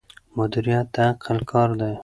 مدیریت د عقل کار دی.